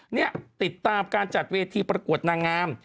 นี่ติดตามการจัดเวทีประกวดนางงาม